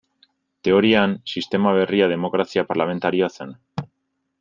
Teorian, sistema berria demokrazia parlamentarioa zen.